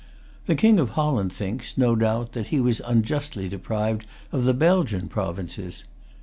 The King of Holland thinks, no doubt, that he was unjustly deprived of the Belgian provinces.